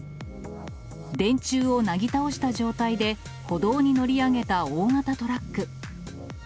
電柱をなぎ倒した状態で歩道に乗り上げた大型トラック。